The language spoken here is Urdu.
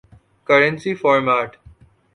currency format